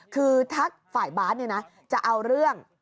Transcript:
คือถ้าฝ่ายบาสจะเอาเรื่อง